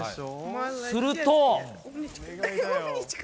すると。